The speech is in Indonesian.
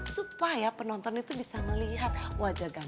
supaya penonton itu bisa melihat wajah gampang